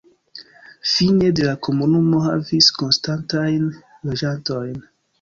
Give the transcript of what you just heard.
Fine de la komunumo havis konstantajn loĝantojn.